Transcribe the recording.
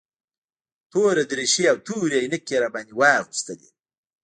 توره دريشي او تورې عينکې يې راباندې واغوستلې.